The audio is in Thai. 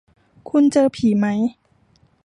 คุณเจอผีมั้ย